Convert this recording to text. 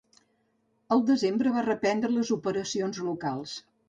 Al desembre, va reprendre les operacions locals.